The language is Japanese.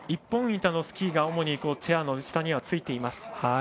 １本板のスキーがチェアの下にはついています。